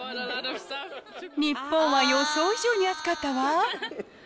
日本は予想以上に暑かったわ。